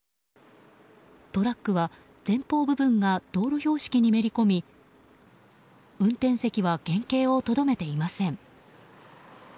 トラックは、前方部分が道路標識にめり込み運転席は原形をとどめていません。